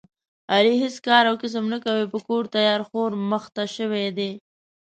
علي هېڅ کار او کسب نه کوي، په کور تیار خور مخته شوی دی.